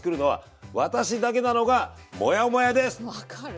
分かる。